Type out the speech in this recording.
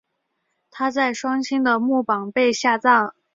她在双亲的墓旁被下葬。